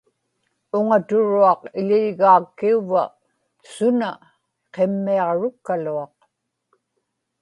uŋaturuaq iḷilgaak- kiuvva suna qimmiaġrukkaluaq